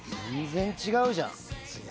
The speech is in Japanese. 全然違うじゃん。